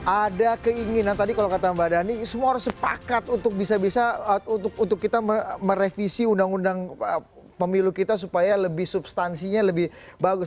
ada keinginan tadi kalau kata mbak dhani semua orang sepakat untuk bisa bisa untuk kita merevisi undang undang pemilu kita supaya lebih substansinya lebih bagus